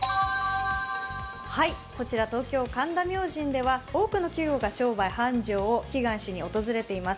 こちら東京・神田明神では多くの企業が商売繁盛を祈願しに訪れています。